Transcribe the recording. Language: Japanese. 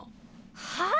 はあ？